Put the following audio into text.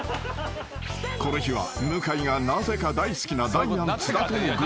［この日は向井がなぜか大好きなダイアン津田とのグルメロケ］